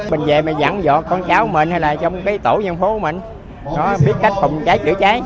mình về mình dẫn dõi con cháu mình hay là trong cái tổ nhân phố của mình nó biết cách phòng cháy chữa cháy